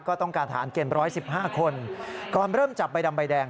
ก็ต้องการฐานเกม๑๑๕คนก่อนเริ่มจับใบดำใบแดง